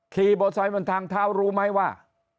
ขี่บนทางเท้ารู้ไหมว่า